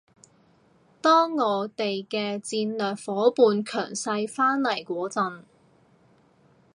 當我哋嘅戰略夥伴強勢返嚟嗰陣